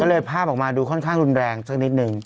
ก็เลยภาพออกมาดูค่อนข้างรุนแรงสักนิดนึง